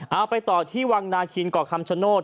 เอาไปต่อที่วังนาคินเกาะคำชโนธ